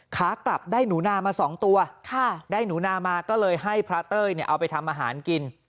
ขากลับได้หนูนามา๒ตัวได้หนูนามาก็เลยให้พระเต้ยเอาไปทำอาหารกิน